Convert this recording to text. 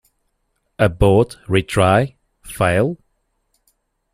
Abort, Retry, Fail?